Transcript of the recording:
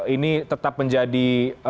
ini tetap menjadi